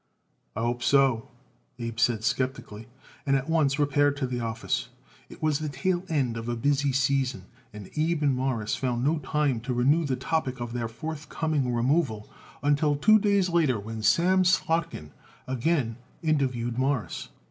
"I hope so," Abe said skeptically, and at once repaired to the office. It was the tail end of a busy season and Abe and Morris found no time to renew the topic of their forthcoming removal until two days later when Sam Slotkin again interviewed Morris.